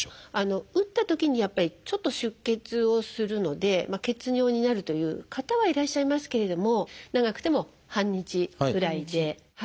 打ったときにやっぱりちょっと出血をするので血尿になるという方はいらっしゃいますけれども長くても半日ぐらいで。